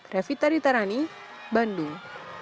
revita ditarani bandung